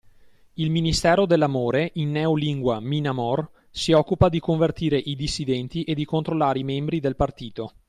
Il Ministero dell'amore, in Neolingua MinAmor, si occupa di convertire i dissidenti e di controllare i membri del partito.